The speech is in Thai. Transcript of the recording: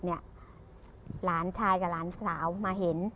หลานชายกับหลานสาวมาเห็น